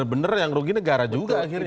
benar yang rugi negara juga akhirnya